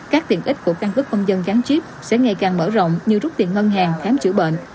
các tiện ích của căn cứ công dân gắn chip sẽ ngày càng mở rộng như rút tiền ngân hàng khám chữa bệnh